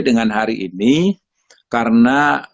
dengan hari ini karena